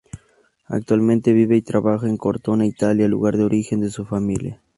Actualmente vive y trabaja en Cortona, Italia, lugar de origen de su familia.